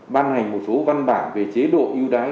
ban hành một số văn bản về chế độ ưu đái